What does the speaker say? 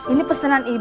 ini pesanan ibu